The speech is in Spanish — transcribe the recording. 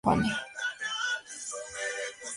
La serie es producida por The Weinstein Company.